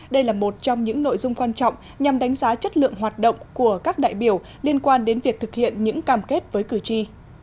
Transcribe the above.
đây là một trong những nội dung quan trọng nhằm đánh giá chất lượng hoạt động của các đại biểu liên quan đến việc thực hiện những cam kết với cử tri